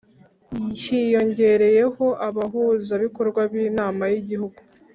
Hiyongereyeho abahuzabikorwa b inama y igihugu